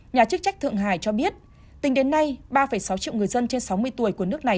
nhà chức trách thượng hải cho biết tính đến nay ba sáu triệu người dân trên sáu mươi tuổi của nước này